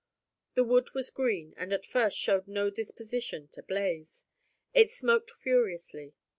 The wood was green, and at first showed no disposition to blaze. It smoked furiously.